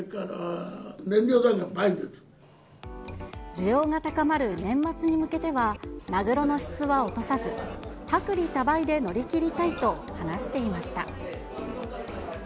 需要が高まる年末に向けては、マグロの質は落とさず、薄利多売で乗り切りたいと話していました。